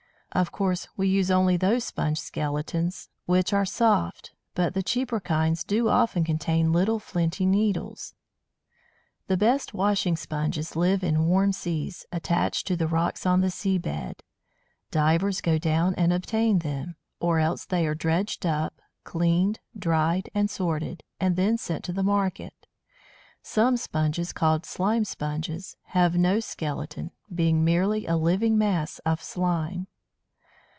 Of course we use only those sponge skeletons which are soft; but the cheaper kinds do often contain little flinty needles. The best washing sponges live in warm seas, attached to the rocks on the sea bed. Divers go down and obtain them; or else they are dredged up, cleaned, dried, and sorted, and then sent to the market. Some Sponges, called Slime Sponges, have no skeleton, being merely a living mass of slime.